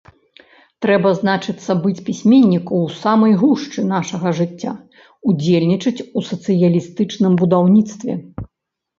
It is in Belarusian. Трэба, значыцца, быць пісьменніку ў самай гушчы нашага жыцця, удзельнічаць у сацыялістычным будаўніцтве.